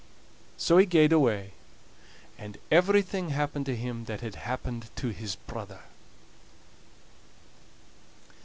So he gaed away; and everything happened to him that had happened to his brother!